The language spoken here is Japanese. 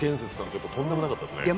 ちょっととんでもなかったですね。